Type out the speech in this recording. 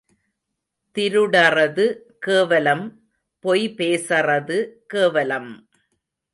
திருடறது கேவலம் பொய் பேசறது கேவலம்!